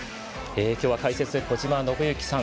今日は解説小島伸幸さん